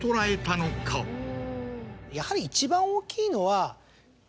やはり一番大きいのは。